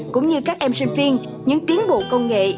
cũng như các em sinh viên những tiến bộ công nghệ